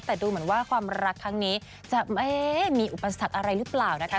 แต่ดูเหมือนว่าความรักครั้งนี้จะไม่มีอุปสรรคอะไรหรือเปล่านะคะ